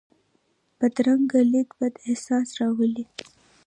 بدرنګه لید بد احساس راولي